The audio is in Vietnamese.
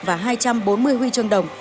và hai trăm bốn mươi huy chương đồng